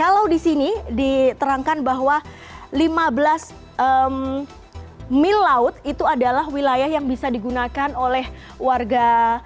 kalau di sini diterangkan bahwa lima belas mil laut itu adalah wilayah yang bisa digunakan oleh warga